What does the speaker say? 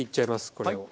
これを。